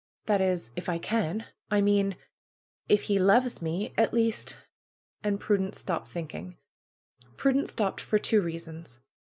That is, if I can ; I mean if he loves me ; at least " And Prudence stopped thinking. Prudence stopped for two reasons.